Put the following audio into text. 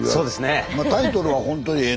タイトルは本当にええ